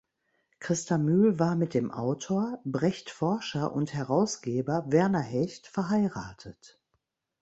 Christa Mühl war mit dem Autor, Brecht-Forscher und Herausgeber Werner Hecht verheiratet.